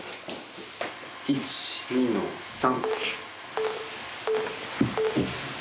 １２の３。